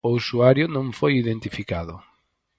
O usuario non foi identificado.